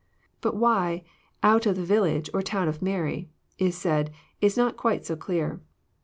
Bat why " out of ibe villa^, or town of Mary," is said, is not quite so clear.